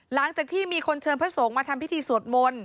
หลังจากที่มีคนเชิญพระสงฆ์มาทำพิธีสวดมนต์